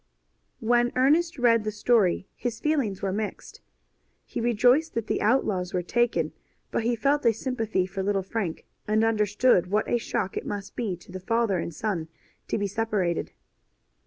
When Ernest read the story his feelings were mixed. He rejoiced that the outlaws were taken, but he felt a sympathy for little Frank, and understood what a shock it must be to the father and son to be separated.